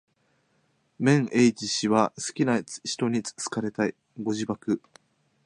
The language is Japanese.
綿 h 氏は好きな使途に好かれたい。ご自爆